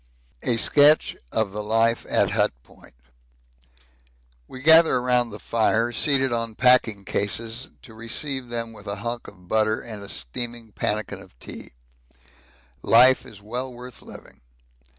A Sketch of the Life at Hut Point We gather around the fire seated on packing cases to receive them with a hunk of butter and a steaming pannikin of tea, and life is well worth living.